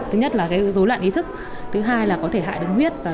thứ nhất là rối loạn ý thức thứ hai là có thể hại đứng huyết